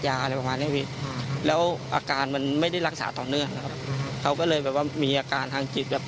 ถ้าลงไม้ลงมือได้เขาก็คงทำแล้ว